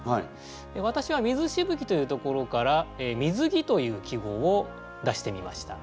私は水しぶきというところから水着という季語を出してみました。